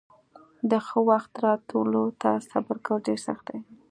د ښه وخت راتلو ته صبر کول ډېر سخت دي.